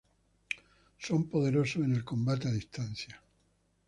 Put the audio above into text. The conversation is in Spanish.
Son poderosos en el combate a distancia.